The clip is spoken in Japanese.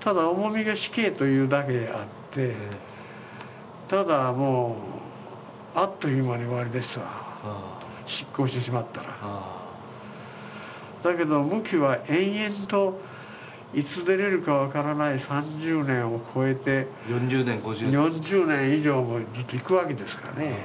ただ、重みが死刑というだけであってただもう、あっという間に終わりですわ、執行してしまったらだけど、無期は延々といつ出れるか分からない３０年を超えて、４０年以上もいくわけですからね。